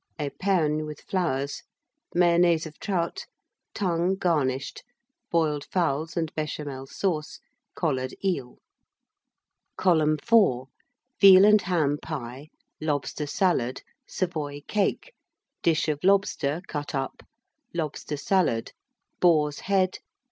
Epergne, with Flowers. Mayonnaise of Trout. Tongue, garnished. Boiled Fowls and Béchamel Sauce. Collared Eel. [Column 4] Veal and Ham Pie. Lobster Salad. Savoy Cake. Dish of Lobster, cut up. Lobster Salad. Boar's Head.